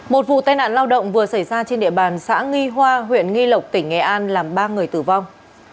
một vụ tai nạn lao động vừa xảy ra trên địa bàn xã nghi hoa huyện nghi lộc tỉnh nghệ an làm ba người tử vong